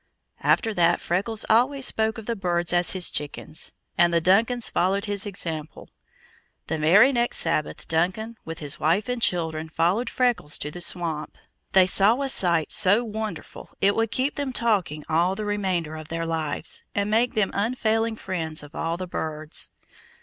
After that Freckles always spoke of the birds as his chickens, and the Duncans followed his example. The very next Sabbath, Duncan, with his wife and children, followed Freckles to the swamp. They saw a sight so wonderful it will keep them talking all the remainder of their lives, and make them unfailing friends of all the birds.